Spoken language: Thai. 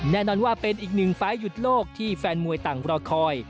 แน่นอนว่าเป็นอีกหนึ่งไฟล์หยุดโลกที่แฟนมวยต่างรอคอย